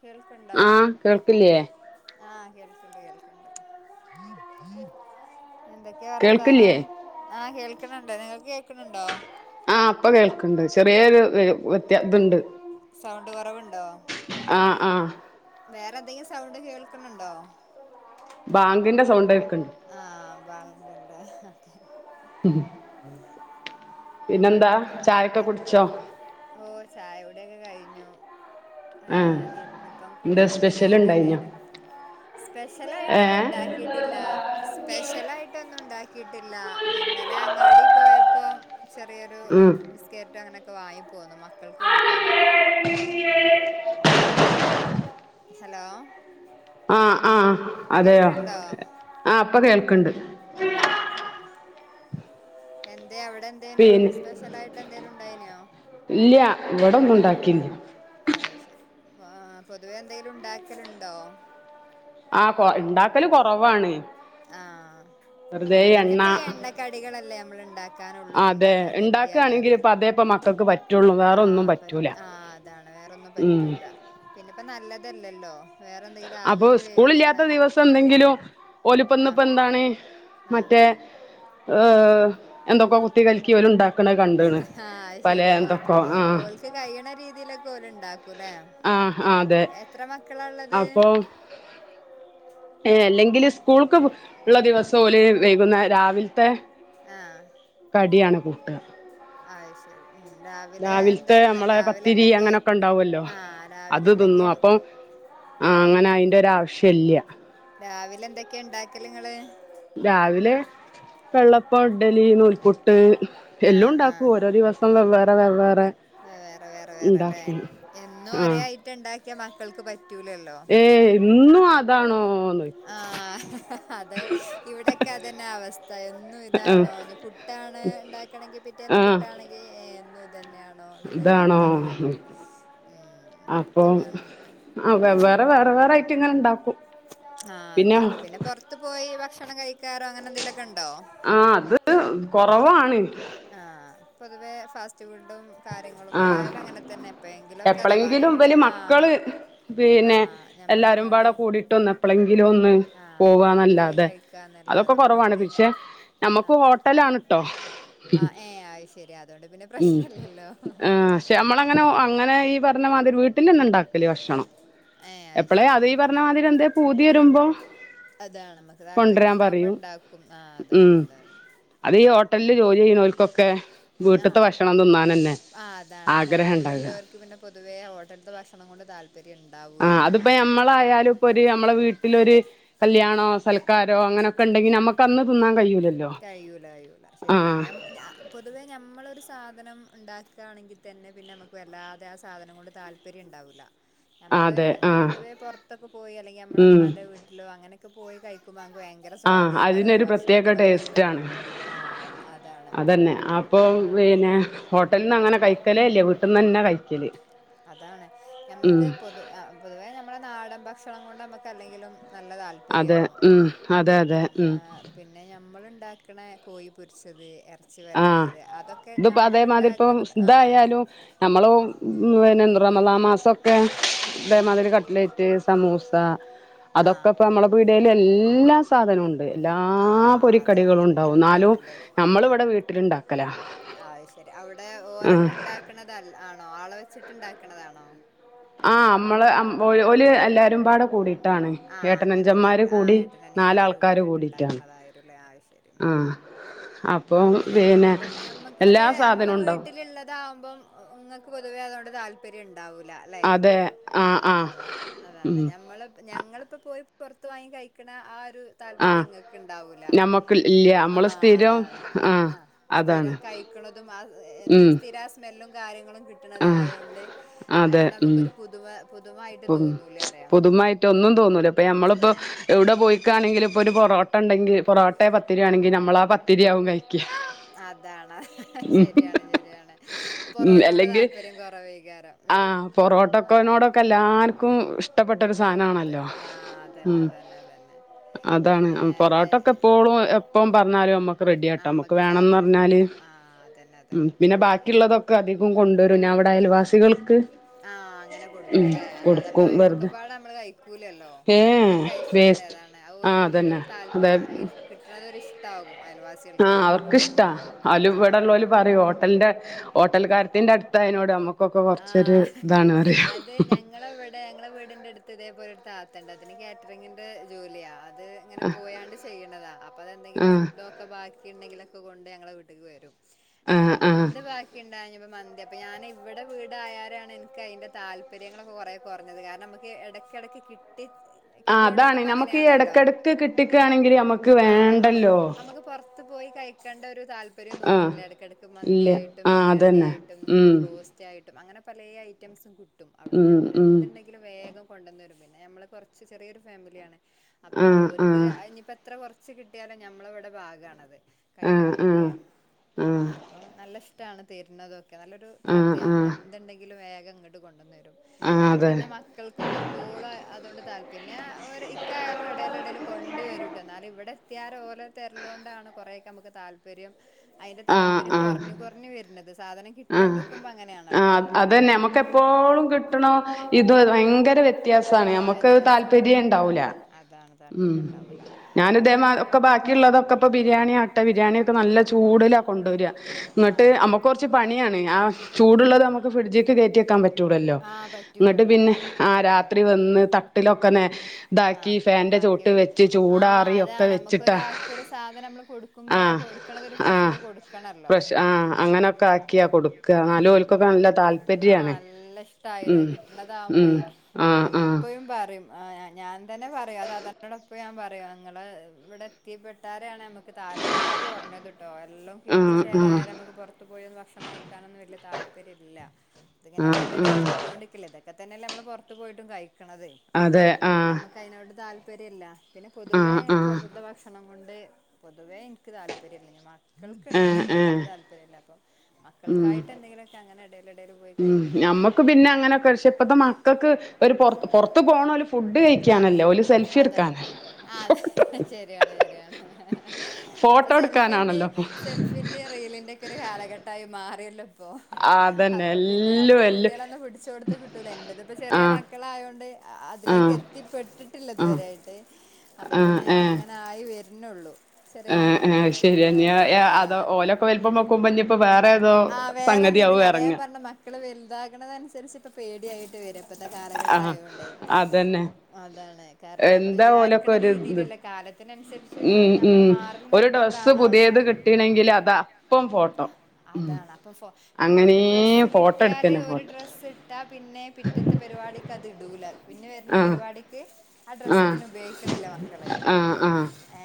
കേൾക്ണ്ടോ? ആഹ് കേൾക്കില്ലേ ആഹ കേൾ എന്തൊക്കെയാ കേൾക്ക്ല്ലേ? വർത്താനം ആഹ് കേൾക്കണണ്ട്. നിങ്ങൾക്ക് കേൾക്കണണ്ടോ? ആഹ് ഇപ്പൊ കേൾക്കണ്ട് ചെറിയൊരു വ്യത്യ സൗണ്ട് കുറവുണ്ടോ ആഹ ആഹ വേറെ എന്തെങ്കിലും സൗണ്ട് കേൾക്കണണ്ടോ ബാങ്കിന്റെ സൗണ്ട് പണ്ട് ബണണ്ട്ക്കെ ഉ പിന്നെന്താ ചായക്കെ കുടിച്ചോ ആ ആഹ് എന്നിപ്പം എന്താ കുട്ടികക്കൊക്കെ സ്പെഷ്യൽ ലീവ് ഉണ്ടായിനോ അല്ലേനും സ്പെഷ്യൽ ആായിട്ടൊന്നും ഏഹ് ഉണ്ടാക്കിട്ടില്ല സ്പെഷ്യൽ ആയിട്ട് ഒന്നും ഉണ്ടാക്ക ില്ല ഇന്നലെ അങ്ങാടി പോയപ്പോം ചെറിയൊരു ഉം ബിസ്കറ്റ് അങ്ങനെ ഒ വാങ്ങപ്പോകുന്നുമ്മ മക്കൾക്ക് കൊടുക്കാനേ ഹലോ ആഹ ആഹ അതെയോ കേൾക്കണ്ടോ ആഹ അപ്പൊ കേൾക്കണ്ട് എ അതെ അവിടെ എന്തേനും പിന്നെ സ്പെഷ്യൽ ആായിട്ട് എന്തേും ഉണ്ടായനോ ഇല്ല ഇവിടൊന്നും ഉണ്ടാക്കില്ല ആഹ പൊതുവേ എന്തേങ്കലും ഉണ്ടാക്കലുണ്ടോ ആഹ കൊ ഉണ്ടാക്കല്ും കുറവാണ് ആഹ പിന്നെപ്പ ഈ എണ്ണക്കടികളല്ലേ നമ്മൾ ഇണ്ടാക്ക ാന ഉള്ളൂ അതെ ഇണ്ടാക്കാൻ കരുതിയാ ഉണ്ടാക്കുകയാണെങ്കിൽ തന്നെ ഇപ്പ അതേപ്പ മക്കൾക്ക് പറ്റുള്ളൂ ആ വേറൊന്നും പറ്റൂല ആ അതാണ് വേറെൊന്നും ഉം പറ്റൂല പിന്നെപ്പോ നല്ലതല്ലേ എള്ളോ അപ്പൊ സ്കൂൾ ഇല്ലാത്ത ദിവസം എന്തെങ്കിലുംല ആ ഇപ്പിന്നിപ്പെന്താണ് ആ മറ്റേ ഓ ഒ എന്തൊക്കോ കുത്തി കൽക്കി ഓലുണ്ടാക് ആഹ് അയ്ശരി ഓൽ ആഹ് ഓൽക്ക് കയിയണ രീതീലൊക്കെ ഓലിണ്ടാക്കൂല്ലേ ആഹ് ആഹ് അതെ എത്ര മക്കള് ളാള്ളത് ഏ അല്ലെങ്കില് സ്കൂൾക്ക് ബു ള്ള ദിവസോല് വൈകുന്നാ രാവിൽത്തെ ആ ആ ശരി ഉം. രാവിലെ എന്താ രാവിൽത്തെ നിങ്ങള് അമ്മളെ രാവിലെ പത്തിരി എന്തൊക്കെ അങ്ങനൊക്കെണ്ടാവ്വല്ലോ ആ രാവിലെ അത് എന്തൊക്കെയാ തിന്നും അപ്പൊ ആങ്ങനായിൻ ൻ്റൊരാവശ്യല്യ രാവിലെ എന്തൊക്കെയാ ണ്ടാക്കല്ങ്ങള് രാവിലെ വെള്ളപ്പോ, ഇഡലി, നൂൽപുട്ട് ആ ആ എല്ലുണ്ടാക്കും ഓരോ ദിവസം വെവ്വേറെ വെവ്വേറെ അത് വേറെ വേറെ വേറെ ഇണ്ടാക്കും ആ ക്ക്യാ മക്കൾക്ക് പറ്റ് ഏ ഇന്നു അത് താണോ ആഹ് അതേ ഇവിടെക്കെ അതന്നെ അവസ്ഥ എന്നും ചോയ്ക്കും ഇതാണോ ഞ്ഞ് പുട്ടാണ് ണ്ടാക്ക്ണെങ്കി പിറ്റേന്ന് ആഹ് പുട്ടാണെങ്കി ഏ ഇന്നും ഇതന്നെയാ ഇതാണോ ഉം, അപ്പോ അതാണ് ആ വെവ്വേറെ വേറെ വേറായിട്ട്ങ്ങനെണ്ടാക്കും ആ അതാണ് പിന്നെ പൊർത്ത് പോയി ഭക്ഷണം കയ്ക്കാ റ് അങ്ങനെന്തേലൊക്കെ ആ അത് കൊറവാണ് ആ പൊതുവേ ഫാസ് ആ തന്നെ എപ്പോഴെങ്കിലുമൊക്കെ അഥവാ എപ്പ്ളെങ്കിലും ഞമ്മള് ഇവല് ആഹ് മക്കള് പിന്നെ ആഹ് ഞമ്മളെ എല്ലാരുംപാടെ അങ്ങാടി കൂടീട്ടൊന്ന് എപ്പളെങ്കിലൊന്ന് ആഹ് അങ്ങനെയൊക്കെ പോയി പോവ്വാന്നല്ലാതെ അതൊക്കെ കഴിക്കാന്നല്ലാതെ ഇപ്പ കൊറവാണ് നിത്യ പിക്ഷെ ഞമ്മക്ക് ഹോട്ടലാണ് ട്ടോ ആ ഏ അയ്ശരി അതോണ്ട് പിന്നെ പ്രശ്നല്ല്യല്ലോ ആഹ് ശ്ശേ അമ്മളങ്ങനെ ഓ അങ്ങനെ ഈ പറഞ്ഞ മാതിരി വീട്ടിന്നി ണ്ടാക്കല് ഭക്ഷണം ഏഹ് എപ്പളേ ശരി അത് ഈ ആഹ് പറഞ്ഞമാതിരി എന്തെ പൂതി വരുമ്പോ അതാണ് നമുക്ക് താല്പര്യം കൊണ്ടരാൻ ഉണ്ടാവുമ്പോ പറയും ഉണ്ടാക്കും ആഹ് ഉം അതാണ് അതാണ് അതീ ഹോട്ടല്ല് ജോലി ചെയ്യുന്നോൽക്കൊക്കെ വീട്ടിത്തെ ആഹ് ഭക്ഷണം തിന്നാനന്നെ ആ അതാണ് ആഗ്രഹണ്ടാക ഹോട്ടലില്ലോർക്ക് പിന്നെ പൊതുവേ ഹോട്ടൽത്തെ ഭക്ഷണം കൊണ്ട് താല്പ് ആഹ് അതിപ്പോ ഞമ്മളായാലുപ്പൊരു ഞമ്മള വീട്ടിലൊരു ആ കല്യാണോ സൽക്കാരോ അങ്ങനൊക്കെണ്ടെങ്കി ഞമ്മക്ക് കന്ന് തിന്നാൻ കഴിയൂൽ കഴിയൂലഴിയൂല ശരിയാണ് ഞമ് ഞാ പൊതുവെ ഞമ്മളൊരു സ് സാധനം ഇണ്ടാക്കാണെങ്കി തന്നെ പിന്നമ്മക്ക് വല്ലാതെ ആ സാധനം കൊണ്ട് താല്പര്യണ്ടാവൂല്ല നമ്മള് അതെ ആഹ് പൊതുവെ പുറത്തൊക്കെ പോയി അല്ലെങ്കിൽ നമ്മെ ഉം ഇമ്മാന്റെ വീട്ടിലോ അങ്ങനെ ഒ പോയി കഴിക്കുംമ്പ ഭയങ്കര ആഹ് സ്വാധീനിക്കാര അതിനൊരു ഭക്ഷണത്തി പ്രത്യേക ടേസ്റ്റാണ് അതാണ് അതന്നെ അപ്- അപ്പൊ ആ പിന്നെ ഹോട്ടല്ന്ന് അങ്ങനെ കഴിക്കലേ ഇല്ല വീട്ടിന്ന് തന്ന കഴിക്കല് അതാണ് ഉം നമ്മൾക്ക് പൊതു തലയിലും നല്ല അതെ താല്പര്യമാവും ഉം അതെ ഉം അതെ നമ്മ ഉം പിന്ന നമ്മള്ണ്ടാക്ണ കോഴി പൊര്ച്ചത് എർ ആഹ് ഇത്പ്പോ അതേമാതിരിപ്പൊ നമ്മളുണ്ടാക്കണത് ആ അതെ തായാലും നമ്മളും പിന്നെ റമളാ മാസൊക്കെ ആ ഇതേമാതിരി കട്ലൈറ്റ് സമൂസ കാ ആ അതൊക്കെ ഇപ്പ നമ്മളെ പീട്യേല് എല്ലാ സാധനുണ്ട് എല്ലാ ആ പൊരിക്കടികളുണ്ടാവും ന്നാലും നമ്മളിവിടെ വീട് ആയ് ശരി അവിടെ ആഹ് ഓരെന്നെ ണ്ടാക്ക്ണതല്ല ആണോ ആളെ വെച്ചിട്ട്ണ്ടാക്ക്ണതാണോ ആഹ മ്മള് ഓല് എല്ലാരും പാടെ കൂടിയിട്ട് ആഹ അങ്ങനെണ്ടാക്ക ആഹ് ഏട്ടനനിയന്മാര് നാലാൾക്കാര് കൂടിയാട്ട് കൂടിയിട്ടാണ് ഇണ്ടാക്ണതായിരും ലെ ആ ശരി ഉം ആഹ് ഉം ആ അപ്പം പിന്നെ അങ്ങന്യാവുമ്പം ഞമ്മക് എല്ലാ അതെ മ്മളെ സാധനവും ഉണ്ടാവും വീട്ടില്ള്ളതാകുമ്പം ങ്ങക്ക് പൊതുവെ അതോണ്ട് താല്പ പ്യരണ്ട് ണ്ടാവുല ലെ അതെ ആഹ് ആഹ് അതാണ് അതാണ് ഉം ഞമ്മള് ഞങ്ങള്പ്പ പോയി പൊർത്ത് വാങ്ങി കഴിക്കണ ആ രു ആഹ് താല്പര്യംങ്ങക്ക് ണ്ടാവൂല ഞമ്മക്ക് ഇല്ല ആ നമ്മള് സ്ഥിരം അതാണ് ആഹ് ആ അതാണ് സ്ഥിരം കഴിക്ക്ണതും ആ എന്നും ഉം സ്ഥിര സ്മെല്ലും കാര്യങ്ങളും ആഹ് കിട്ടണത്തായത്കൊണ്ട് അതെ അവിടെ ഉം നമുക്കൊരു പുതുമ പൊതുവായിട്ട് ഇപ്പം തോന്നൂലേ അറിയാം പുതുമായിട്ട് ഒന്നും തോന്നൂല്ല ഇപ്പം നമ്മളിപ്പോ തോന്ന എവിടെ പോയിക്കാണെങ്കില് ഇപ്പോ ഒരു പൊറോട്ട ഉണ്ടങ്കിൽ പൊറോട്ടയോ പത്താരിയോ ആണെങ്കിൽ നമ്മള് ആ തിരിയാവുന്നെയായി അതാണ് അതാ ശരിയാണ് ശരിയാണ് ഉം പൊറോട്ട കൊണ്ട് അല്ലെങ്കിൽ താല്പര്യം കുറവാരിക്കും മിക്കവാറും ആഹ് പൊറോട്ടക്കനോടൊക്കെ എല്ലാർക്കും ഇഷ്ടപ്പെട്ടരു സാധനണല്ലോ ആഹ് അതന്നെ ഉം അതന്നെ അതന്നെ അതാണ് പിന്നെ ഏ, പൊറോട്ടൊക്കെ ഏ, എപ്പോഴും എപ്പം പറഞ്ഞാലും നമ്മക്ക് റെഡി ആയിട്ട് ന അമ്മക്ക് വേണമെന്ന് സാധനം പറഞ്ഞാല് കിട്ടും ആഹ് അതന്നെ അതന്നെ പിന്നെ ബാക്കിയുള്ളതൊക്കെ അധികം കൊണ്ടുവരും ഞാൻ ഇവിടെ അയൽവാസികൾക്ക് ഉം കുല്ലേ അല്ലാതെ ഇപ്പൊ കൊടുക്കും വെറുതെ ഒക്കെപാടെ നമ്മള് കഴിക്കൂലല്ലോ ഏ കഴിക്കുന്നൊരു കഴിച്ചോട്ടെ വേസ്റ്റ് അതാണ് അത് ആ ഒർക്കും തന്നെ അതന്നെ ഒരു അതെ താല്പര്യം കിട്ടണത് ഒരുഷ്ടമാക്കും അയൽവാസി ആഹ് അവർ ട്ടാ അല്ല ഇവിടെഉള്ളാരു പറയും ഹോട്ടലിന്റെ ഹോട്ടൽ കാരത്തിന്റെ അടുത്തായതിനോട് നമ്മുക്കൊക്കെ കൊറച്ചൊരു ആഹ് ഇതാണ് എന്ന് പറയും ടെ അടുത്ത് ഇതേപോലെ ഒരു താത്ത ഉണ്ട് അതിന് കാറ്ററിംഗിന്റെ ജോലിയാ അത് ഇങ്ങനെ ആ പോയാണ്ട് ചെയ്യണതാ അപ്പോൾ അതെന്തെങ്കിലും ആ ഫുഡൊക്കെ ബാക്കി ഉണ്ടെങ്കില് ക്കെ കൊണ്ട് ഞങ്ങളെ വീട്ടിലേക്ക് വരും ആ എന്ത് ബാക് പ്പോ മന്തി അപ്പ ഞൻ ഇവിടെ വീടായാലാണ് എനിക്ക് അതിന്റെ താല്പര്യങ്ങളൊക്കെ കുറേ കുറഞ്ഞത് കാരണം നമുക്ക് ഇടയ്ക്കിടയ്ക്ക് കിട്ട ആ അതാണ് നമുക്ക് ഈ ഇടക്കിടക്ക് കിട്ടിക്കയാണെങ്കിൽ നമ്മക്ക് ആഹ് വേണ്ടല്ലോ? അമക്ക് അമക്ക് പൊറത്ത് പോയി കഴിക്കേണ്ട ഒരു താല്പര്യം ആഹ് തോന്നുന്നില്ല ഇടക്കിടയ് ഇല്ല മന്തിയായിട്ട് ആഹ് ബിരിയാണി അതന്നെ ആയിട്ടും ഇപ്പ ഉം ബോസ്റ്റ് ആയിട്ട് അങ്ങനെ പലയ ഐറ്റംസും കി കിട്ടും അവിടുന്ന് ഉം ഒര് ഉം എന്തുണ്ടെങ്കിലും വേഗം കൊണ്ടന്നരും പിന്നെ നമ്മൾ കുറച്ച് ചെറിയൊരു ഫാമിലിയാണ്. അപ്പം ആഹ് അവർക്ക് ആഹ് ഇനിപ്പ എത്ര കൊറച്ച് ച്ച് കിട്ടിയാലോ നഞമ്മള ഇവിടെ ഭാഗമാണത്. ആഹ് കഴിക്കാനൊക്കെ ആഹ് അപ്പൊ നല്ലഷ് ടാണ് തര്ണത്. നല്ലൊരു ആഹ് ആഹ് താത്യാ ആഹ് എന്തണ്ടെങ്കിലും വേ ക്കെങ്ങട്ട് കൊണ്ടന്നുരും. ആഹ് അതെ അതോണ്ടെന്നെ മക്കൾക്കൊന്നും എപ്പോളും അതോണ്ട് താൽപ പിന്നെ ഇക്കായാലും എടേല് എടേല് കൊണ്ട് വരൂട്ടോ.. ന്നാലും ഇവ്ടെ എത്തിയാരെ ഓലെ തര്ലോണ്ടാണ് കൊറെയൊക്കെ നമുക്ക് താല്പര്യം അയ്ന്റെ ആഹ് താല്പര്യം ആഹ് കൊർഞ്ഞു. വര്ന്നത് സ് ആഹ് ആഹ്. അതന്നെ നമ്മക്ക് എപ്പോഴും കിട്ടണോ ഇത് വയ്ങ്കര വ്യത്യാസാണ്. ആ നമ്മക്കഅ് വ്യത്യാസണ്ട് താല്പര്യം ണ്ടാവൂല. അതാണ് ഉം താല്പര്യം ഉണ്ടാവൂല ഞാന് ഇതേ ഒക്കെ ബാക്കിള്ളതൊക്കെ ഇപ്പോ ബിരിയാണി ആവട്ടെ ബിരിയാണിക്കെ നല്ല ചൂട്ലാ കൊണ്ടൊരാ. ആ ഇങ്ങട്ട് അമ്മക്ക് കൊർച്ച് ച്ച് പണിയാണ്. ആ ചൂട്ള്ളത് അമ്മക്ക് ഫ്രിഡ്ജിക്ക് കേറ്റിയെക്കാൻ പറ്റുലല്ലോ. ആ എന്നിട്ട് പറ്റൂലല്ലോ പിന്നെ അതാണ് ഉം ആ ഉം ഉം രാത്രി വന്ന് തട്ടിലൊക്കെ ഇതാക്കി ആഹ് ഫാന്റെ ആക്കി ചോട്ട് വെ വെച്ച് ആഹ് ചൂടാറി ഒക്കെ അതാണ് വെച്ചിട്ടാ നമുക്കൊരാക്കൊരു സാധനം നമ്മള് കൊടുക്കുമ്പോ ആഹ് കൊടുക്കണത് ഒരു ആഹ് ഫ്രഷില് കൊടുക്കണല്ലോ ഫ്രഷ് ഉം ആഹ് അങ്ങനെ- ആക്കിയ കൊടുക്ക എന്നാലും ഉം ഓൾക്ക് ഒക്കെ ഉം നല്ല താല്പര്യം ആണ് കിട്ട്ണതാവുമ്പെ എപ്പഴും പറിം. അ ഞാൻ തന്നെ പറയും. ആ താത്തനോട് ഞാൻ എപ്പഴും ഞാ പറ ഇങ്ങള് ഇവിടെ എത്തിപ്പെട്ടാരാണ് നമ്മക്ക്- താല്പര്യങ്ങൾ കുറഞ്ഞത് കേട്ടോ എല്ലാം കിട്ടി ആഹ് ആഹ് ചേലയാലേ നമുക്ക് പുറത്ത് പോയൊന്ന് ഭക്ഷണം കഴിക്കാനൊന്നും വലിയ താല്പര്യം- താല്പര്യമല്ല ഇത് ഇങ്ങനെ ആഹ് ഇടേൽ ഇടേൽ ആഹ് കിട്ടിയൊണ്ട്- അതൊക്ക തന്നെ നമ്മള് പുറത്ത് പോയിട്ടും കഴി ക്കണതെ അതെ അപ്പൊ പിന്നെ ആഹ് നമുക്ക് അതിനോട് താൽ താപ്പര്യല്ല. പിന്നെ പൊതുവേ ആഹ് ആഹ് പുറത്തുത്തെ ഭക്ഷണം കൊ പൊതുവേ എനിക്ക് താല്പര്യവില്ല ഞാൻ മ മക്കൾക്കുണ്ട് ഏഹ് പക്ഷേങ്കിൽ ഏഹ് എനിക്ക് താല്പര്യമില്ല അപ്പം ഉം മക്കൾക്കായിട്ട് എന്തെങ്കിലുമൊക്കെ അങ്ങനെ ഇട എടേല് പോയി ഉം ഞമ്മക്ക് കഴിക്കാന്നല്ലാതെ പിന്നെ അങ്ങനൊക്കെ പക്ഷേ ഇപ്പത്തെ മക്കൾക്ക് പുറത്ത് പോണ ഫുഡ് ആ കഴിക്കാനല്ലോ ഒരു സെൽഫി അതെ എടുക്കാന ആ അതെ ഫോട്ടോ ശരിയാണ് ശരിയാണ് ഇപ്പൊ ഫോട്ടോ സെൽഫിന്റെ എടുക്കാനാണല്ലോ അപ്പൊ. സെൽഫിന്റെ അതെല്ലൊ പ്പൊ അപ്പൊ പിന്നെ നമ്മള എല്ലും കുട്ടികള പിടി ത്തം കിട്ടുല്ല എന്റെതിപ്പൊ ചെറിയ ആഹ് മക്കളായകൊണ്ട് അതിലേക്ക് ആഹ് എത്തി പെട്ടിട്ടിലിതു ആഹ് വരെയായിട്ട് അപ്പൊ പിന്നെ അങ്ങനായി വരുന്നുള്ളൂ. ചെറിയ ആ ആ മക്കളാണ് ശരി മൂന്ന് അതോ ആ ഓലൊക്കെ വലുപ്പ ക്കുമ്പം ഇഞ്ഞിപ്പം വേറെ വേറെ എതോ ആഹ് വേറെ എന്തെങ്കിലും സംഗതിയാകും അതാ ഞാൻ ഇറങ്ങ പറഞ്ഞ മക്കള് വല്താകുണതനുസരിച്ച് ഇപ്പൊ പേടിയായിട്ട് വരും. ഇപ്പത്തെ ആഹ് കാലഘട്ടവായോണ്ടേ അതന്നെ അതാണ് കാരണം ഞമ്മൾ എന്താ ഓലൊക്കെ വിചാരിക്കണ ഒരു ഇത് രീതിയിലല്ല കാലത്തിന അനുസരിച്ച് ഉം ഞമ്മൾ ഉം മാറൽ ഒരു ഡ്രസ്സ് നിർബന്ധണണോ. പുതിയത് കിട്ടീണെങ്കില് അത് അപ്പം ഫോട്ടോ ഉം അതാണ് അപ്പൊ പിന്നെ ഒരു അങ്ങനേ ഡ്രസ്സ് ഫോട്ടോ കിട്ടിയാല് എടുക്കന്നെ ഒരു ഫോട്ടോ ഡ്രസ് ഇട്ടാ പിന്നെ ന്നെ പിറ്റത്തെ പരിപാടിക്കത് ഇടൂല പിന്നെ വരുന്ന ആഹ് പരിപാടിക്ക് ആ ഡ്രസ്സ് ആഹ് പിന്നെ ഉപയോഗിക്കണില്ല മക്കള്. ആഹ് ആഹ് ഏ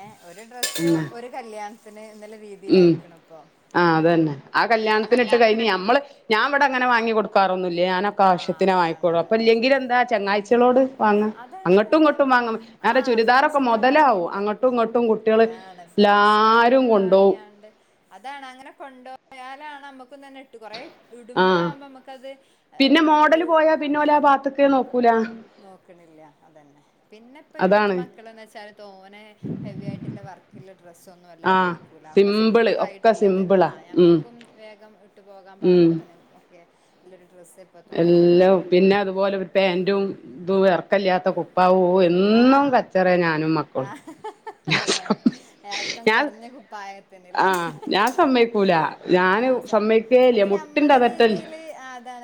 ഡ്രസ്സ് പിന്നെ ഒരു കല്യാ തന്നെ നല്ല ഉം രീതിലയക്കണിപ്പൊ. ആഹ് അതന്നെ ആ കല്യാണത്തിനിട്ട് കഴിഞ്ഞ് ഞമ്മള് ഞാൻ ഇവിടെങ്ങന വാങ്ങി കൊടു കൊന്നൂല്ല്യ ഞാനൊക്കെ ആഹ് ആവശ്യത്തിനെ അതാണ് വാങ്ങിക്കോളു. അപ്പൊ അതാണ് ആവശ്യത്തിന് ഇല്ലെങ്കിലെന്താ ചങ്ങായിച്ചികളോട് വാങ്ങാം അതാണ് അങ്ങോട്ടും അതാണ് ഇങ്ങോട്ടും അപ്പം വാങ്ങും ആ ഞങ്ങടെ ചുരിദാറൊക്കെ ഫ്രണ്ട്സിന്റെ മൊതലാവും വാങ്ങിയിട്ട് അങ്ങോട്ടും ഇങ്ങോട്ടും കുട്ടികള് അതാണ് എല്ലാരും ഫ്രണ്ട്സിന്റത് കൊണ്ടോവും. വാങ്ങിയാണ്ട് അതാണ് അങ്ങനെ കൊണ്ടു പോയാലാണ് നമ്മുക്ക് തന്നെ ഇട്ട് കൊറേ ആഹ് ഇടുമ്പളാകുമ്പോ നമുക്കത് പിന്നെ മോഡല് ഒരു പോയാ പിന്നോലെ ആ ഭാഗത്തേക്കെ നോക്കൂല്ല നോക്കണില്ല അതന്നെ. പിന്നെ ഇപ്പ ഇപ്പത്തെ അതാണ് മക്കളന്ന് വെച്ചാല് തോനെ ഹെവി ആയിട്ടുള്ള വർക്ക് പിന്നെ ഡ്രസ്സൊന്നു അല്ല ആഹ് ഉപയോഗിക്കൂല്ല. ഒക്കെ സിമ്പിള് ഒക്കെ സിമ്പിളായിട്ട്ള്ളത്. ആ സിമ്പിളാ ഉം ഞമ്മക്കും വേഗം ഇട്ട് പോകാൻ പാകത്തിന് ഒക്കെ ഉള്ളൊരു ഡ്രസ്സേ ഇപ്പത്തെ മക്കളൊക്കെ എല്ലാ പിന്നെ ഉപയോഗിക്കുള്ളൂ അതുപോലെ ഒരു പാന്റും ഇത് എറക്കില്ലാത്ത കുപ്പായോം ഓ എന്നും ആഹ് അത് കച്ചറയാ ഞാനും മക്കളും. ആഹ് ഞാൻ അതാണ് സമ്മയ്, എറക്കം ഞാൻ കൊറഞ്ഞ കുപ്പായത്തിന് ല്ലേ ആഹ് ഞാൻ സമ്മയ്ക്കൂല. ഞാന് ആഹ് സം സമ്മയ്ക്കേല്ല. മുട്ടിന്റെ അതറ്റല്ല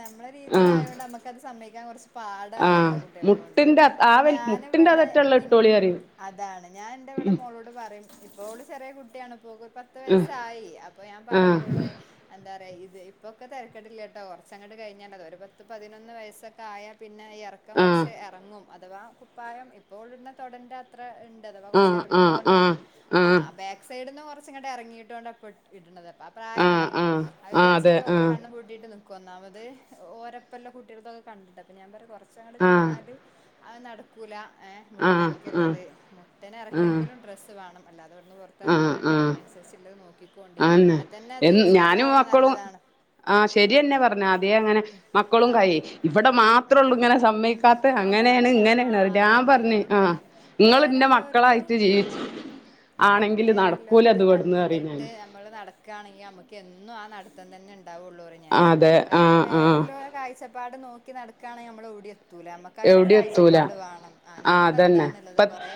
നമ്മള രീതിയിലായോണ്ട് നമ്മക്കത് സമ്മയ്ക് ഞാ കൊറച്ച് പാടാണ് ആഹ് നമ്മളെ കുട്ടികളെ കൊണ്ട്. മുട്ടിന്റെ ആ ഇപ്പൊ വൽ ഞാന് മുട്ടിന്റെ ഇവടെ അതറ്റള്ള ഇൻ, ഇട്ടോളി പറയും അതാണ്. ഞാൻ എന്റിവടെ മോളോട് പറയും ഇപ്പോള് ചെറിയ കുട്ടിയാണ്. ഇപ്പോക്ക് പത്ത് വയസ്സായി. അപ്പൊ ഞാൻ പറയും ആഹ് ഓളോട് എന്താ പറയാ ഇപ് ഇപ്പൊക്കെ തരക്കേടില്ലട്ടോ. കൊറച്ചങ്ങോട്ട് കഴിഞ്ഞാലത്, ഒരു പത്ത് പതിനൊന്ന് വയസ്സൊക്കെ ആയാ പിൻ ന്നെ എറക്കം ആഹ് കൊറച്ച് എറങ്ങും. അഥവാ കുപ് പ്പായം ഇപ്പോള്ട്ന്ന തൊടന്റെ അത്ര ഇൺ അഥവാ കൊറച്ച് ആഹ് ആഹ് എറങ്ങിക്കൊണ്ടാണ്. ആഹ് ആ ആഹ് ബാക്ക് സൈഡ് ന്ന് കൊറച്ചിങ്ങട്ടെറങ്ങിയിട്ടോണ്ടാ ഇപ്പട്ട് ഇട്ണത് ഇപ്പാ ആഹ് ആഹ് പ്രായാണല്ലോ? ആഹ് അത് ആഹ് അതെ വിചാരിച്ചിട്ട് ഒക്കെ ആഹ് കണ്ണും പൂട്ടീട്ട് നിക് കൊന്നാമത് ഓരപ്പല്ല കുട്ടികൾക്കൊക്കെ കണ്ടിട്ട്. അപ്പൊ ഞാൻ പറയും കൊറച് ച്ചാള് ആഹ് കഴിഞ്ഞാല് അത് നട ക്കുല ഏഹ് ആഹ് ആഹ് മുട്ടിനെറക്കള്ളത്. ആഹ് മുട്ടിനെറക്കെങ്കിലും ഡ്രസ്സ് വേണം അല്ലാത ഒന്ന് പൊറത്തെറങ്ങൂലട്ടോ. അതിനന്സരിച്ച്ള്ളത് നോക് ആന്നെ. എന്ന് ഞാനും മക്കളും. നല്ലതാണ് ആഹ് ശരിയെന്നെ പറഞ്ഞെ, ആദ്യെ അങ്ങനെ, മക്കളും ആ ആ കരയും, ഇവിടെ മാത്രേ ഉള്ളു ഇങ്ങനെ സമ്മയ്ക്കാത്തെ. അതാണ് അങ്ങനെയാണ് ആ ഇങ്ങനെ ഞാൻ അതന്നെ പറഞ്ഞ് അതന്നെ ആ, ഇപ്പ നിങ്ങളിന്റെ വേറെല്ലോരത് മക്കളായിട്ട് ജീവിച്, അതന്നെ ആണെങ്കില് വേറെല്ലോരത് നടക്കൂലത് ഇവിട്ന്ന് പറയും കണ്ടിട്ട് ഞാന്. നമ്മള് നടക്കാണെങ്കിൽ നമ്ക്ക് എന്നു ആ നടത്തം തന്നെ ഇൺ ഇണ്ടാവുള്ളൂ പറയും ഞാന്. അതെ കാരണം ആഹ് ആഹ് വേറെല്ലോരെ കാഴ്ചപ് പാട് നോക്കി നടക്കാണ് നമ്മളോടിയെത് ത്തൂല. അമ്മക്കായിട്ടൊരു കാഴ്ച ആ അതന്നെ ഇപ്പ കൊറേ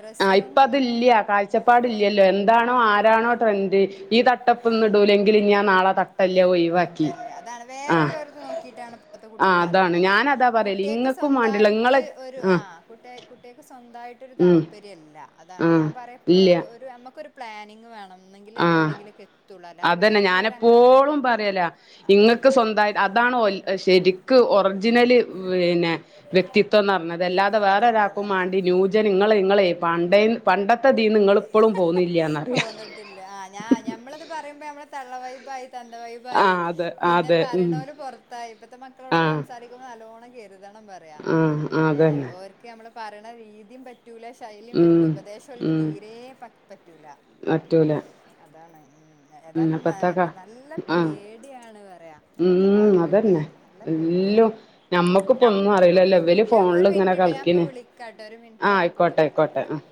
ഡ്രസ്സിലും ഉം ഇഫ്ലതില്ല്യ കാഴ്ചപ്പാടില്ലല്ലോ എന്താണോ ആ ണോ ട്രൻഡ് ഈ തട്ടപ്പൊന്ന് ഇടൂലെങ്കിൽ ഞാൻ നാളെ ത തട്ടല്ല അതാണ് വേറെല്ലോർക്കും നോക്കിട്ടാണ് ഇപ്പോത്തെ കുട്ടികള് ആഹ് അതാണ് നടക്കണതേ ഞാനതാ പറയല് കുട്ടിയോക്ക് ഇങ്ങക്കും സ്വന്ത മാണ്ടില്ല ന്തായിട്ട് ഇങ്ങളെ ഒരു ആ ആഹ് കുട്ട കുട്ടിയക്ക് സ്വന്തമായിട്ടൊരു ഉം താല്പര്യല്ല അതാണ് ആഹ് ഞാൻ പറയാപ്പോ ഇല്ല ഒരു ഒരു നമുക്കൊരു പ്ലാനിങ് വേണം ഒന്നിങ്കില് ആഹ് എവിടെങ്കിലുക്കെ എത്തുള്ളൂ അല്ലാതെ അതന്നെ വേറെല്ലവര് അങ്ങനെ പോണേ ഞാനെപ്പോഴും അതാണ് ഇങ്ങക്ക് ഞാൻ സ്വന്തായി അതാണ് ഓൾ ശരിക്കും ഒറിജല് ന്നെ വ്യക്തിത്വ അതല്ലാതെ വേറെ അതന്നെ ഒരാക്കും അതന്നെ മാണ്ടി ന്യൂജ നിങ്ങളെ നിങ്ങളെ പാണ്ഡേൻ പണ്ടത്തെ തീന്ന് നിങ്ങള് ഇപ്പളു പോന്നില്ലാന്നറിയാം ഞാൻ ഞമ്മളത് പറയുമ്പോ നമ്മ തള്ള വൈബായ് ദന്തവൈബായി ആഹ് അതെ പിന്നെ അതെ ഉം പറയണോല് പുറത്തായി ഇപ്പത്തെ മക്കളോടൊക്കെ ആഹ് സംസാരിക്കുമ്പോൾ നല്ലണം [unintelligible] പറയാ ആഹ് ഏ അതന്നെ ഓര്ക് നമ്മള പറിണ രീതിയും പറ്റ പറ്റൂല ശൈല്യ ഉം പറ്റൂലാ ഉപദേശം ഓല് ഉം തീരെ പ പറ്റൂല പറ്റൂല അതാണ് ഉം ഉം ഏതായാലും ന അപ്പത്തക്കാ നല്ല ആഹ് പേടിയാണ് പറയാ ഇപ്പത്തെ ഉം കാലഘട്ടേ അതന്നെ നല്ല പേടിയാണ് എല്ലും ഞമ്മക്കിപ്പോ ഒന്നും ഒരു അറിയില്ലല്ലോ മിനിറ്റ് ഇവല് ഞാൻ ഒരു ഫോണില് ഇങ്ങനെ മിനിറ്റ്ട്ടോ ഞാൻപ്പ കളിക്കണ് വിളിക്കാം ട്ടോ ഒരു മിനിറ്റ് ആഹ് ഞാൻപ്പ ആയിക്കോട്ടെ വിളിക്കാം ആയിക്കോട്ടെ ആഹ്